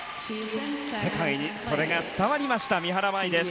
世界にそれが伝わりました三原舞依。